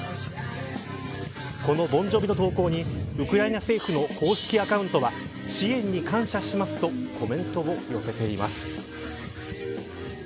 このボン・ジョヴィの投稿にウクライナ政府の公式アカウントは支援に感謝しますとコメントを寄せています。